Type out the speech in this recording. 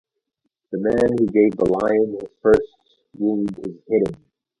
The man who gave the lion the first wound is hidden.